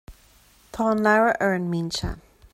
Tá an leabhar ar an mbinse